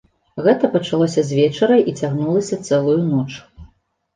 Гэта пачалося звечара і цягнулася цэлую ноч.